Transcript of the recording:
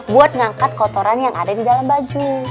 buat ngangkat kotoran yang ada di dalam baju